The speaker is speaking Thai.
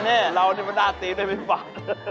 นี่เราได้มาด้าตีไปไม่ฝัน